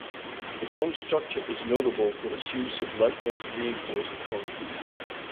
The domed structure is notable for its use of lightweight reinforced concrete.